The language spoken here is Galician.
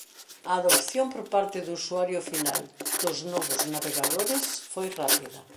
A adopción por parte do usuario final dos novos navegadores foi rápida.